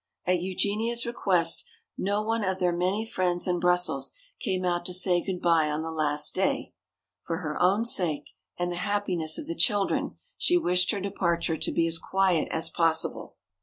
At Eugenia's request no one of their many friends in Brussels came out to say good bye on the last day. For her own sake and the happiness of the children she wished her departure to be as quiet as possible.